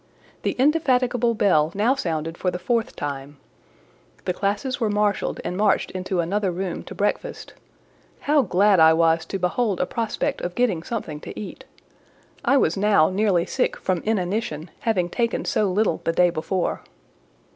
The indefatigable bell now sounded for the fourth time: the classes were marshalled and marched into another room to breakfast: how glad I was to behold a prospect of getting something to eat! I was now nearly sick from inanition, having taken so little the day before.